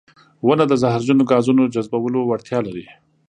• ونه د زهرجنو ګازونو جذبولو وړتیا لري.